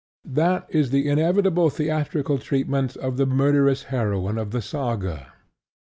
That is the inevitable theatrical treatment of the murderous heroine of the Saga.